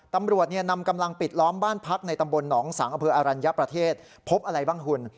ตำรวจนำกำลังปิดล้อมบ้านพักในตำบลหนองสังอำเภออรัญญประเทศพบอะไรบ้างคุณ